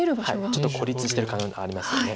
ちょっと孤立してる感ありますよね。